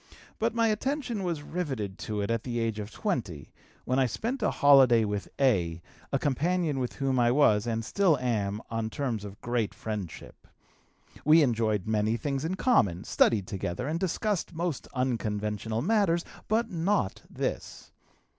But my attention was riveted to it at the age of 20, when I spent a holiday with A., a companion with whom I was, and still am, on terms of great friendship. We enjoyed many things in common, studied together and discussed most unconventional matters, but not this.